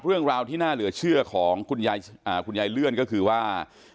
เรื่องราวที่น่าเหลือเชื่อของคุณยายเลื่อนก็คือว่า